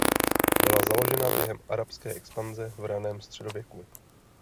Byla založena během arabské expanze v raném středověku.